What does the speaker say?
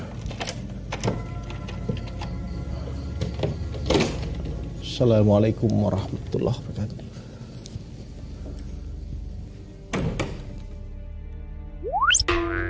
assalamualaikum warahmatullahi wabarakatuh